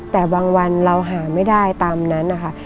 แต่บางวันเราหาไม่ได้ตามนั้นนะคะ